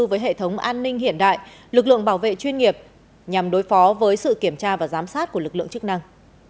với hệ thống an ninh hiện đại lực lượng bảo vệ chuyên nghiệp nhằm đối phó với sự kiểm tra và giám sát của lực lượng chức năng